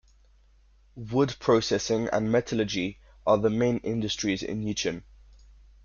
Wood processing and metallurgy are the main industries in Yichun.